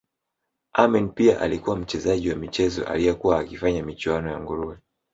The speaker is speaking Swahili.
Amin pia alikuwa mchezaji wa michezo aliyekuwa akifanya michuano ya nguruwe